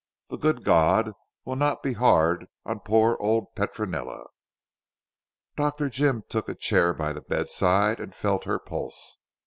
The Good God will not be hard on poor old Petronella." Dr. Jim took a chair by the bedside, and felt her pulse.